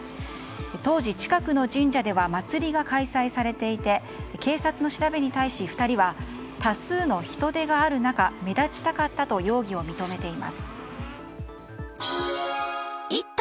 当時、近くの神社では祭りが開催されていて警察の調べに対し、２人は多数の人出がある中目立ちたかったと容疑を認めています。